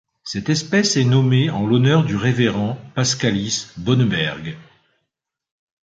Cette espèce est nommée en l'honneur du révérend Pascalis Boneberg.